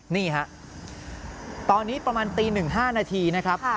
นี่ฮะตอนนี้ประมาณตี๑๕นาทีนะครับ